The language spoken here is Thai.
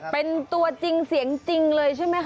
เป็นตัวจริงเสียงจริงเลยใช่ไหมคะ